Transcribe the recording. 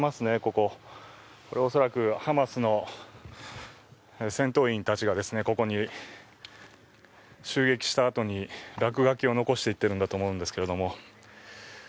これは恐らくハマスの戦闘員たちがここに襲撃したあとに落書きを残していっているんだと思うんですけれども。